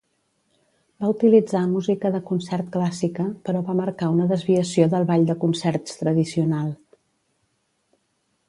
Va utilitzar música de concert clàssica, però va marcar una desviació del ball de concerts tradicional.